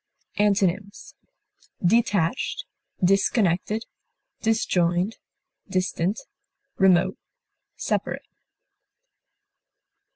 Antonyms: detached, disconnected, disjoined, distant, remote, separate.